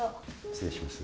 失礼します。